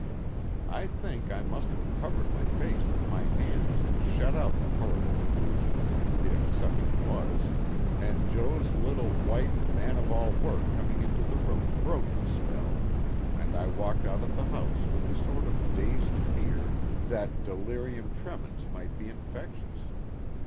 I think I must have covered my face with my hands to shut out the horrible illusion, if such it was, and Jo.'s little white man of all work coming into the room broke the spell, and I walked out of the house with a sort of dazed fear that delirium tremens might be infectious.